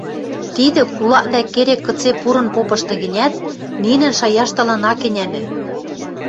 Тидӹ, кулаквлӓ керек-кыце пурын попышты гӹнят, нинӹн шаяштылан ак ӹнянӹ.